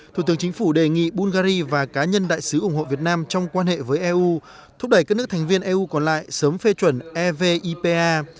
thủ tướng chính phủ đề nghị bulgari và cá nhân đại sứ ủng hộ việt nam trong quan hệ với eu thúc đẩy các nước thành viên eu còn lại sớm phê chuẩn evipa